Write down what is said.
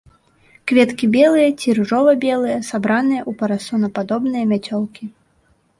Кветкі белыя ці ружова-белыя, сабраныя ў парасонападобныя мяцёлкі.